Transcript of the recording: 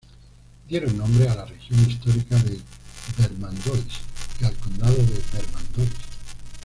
Dieron nombre a la región histórica del Vermandois y al condado de Vermandois.